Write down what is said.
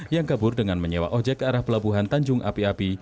yang kabur dengan menyewa ojek ke arah pelabuhan tanjung api api